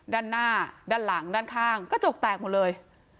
ด้านหน้าด้านหลังด้านข้างกระจกแตกหมดเลย